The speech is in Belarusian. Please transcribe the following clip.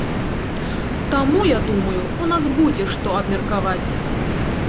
Таму, я думаю, у нас будзе што абмеркаваць.